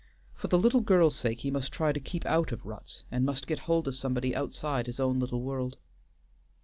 For the little girl's sake he must try to keep out of ruts, and must get hold of somebody outside his own little world.